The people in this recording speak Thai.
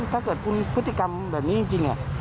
ถ้าเกิดคุณพฤติกรรมแบบนี้จริง